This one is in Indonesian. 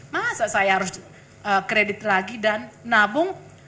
masa saya harus kredit lagi dan nabung